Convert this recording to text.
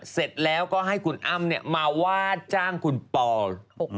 เสร็จแล้วก็ให้คุณอ้ำมาว่าจ้างคุณปอล